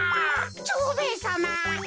蝶兵衛さま